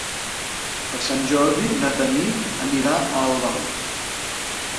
Per Sant Jordi na Tanit anirà a Albal.